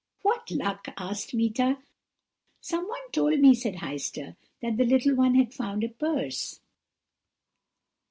"'What luck?' asked Meeta. "'Someone told me,' said Heister, 'that the little one had found a purse.'